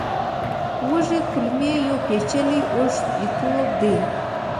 وړې کولمې یو پېچلی اوږد ټیوب دی.